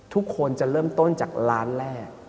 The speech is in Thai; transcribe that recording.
ทุกคนจะเริ่มต้นจากร้านแรก